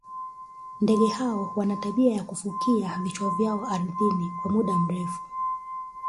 ndege hao wana tabia ya kufukia vichwa vyao ardhini kwa muda mrefu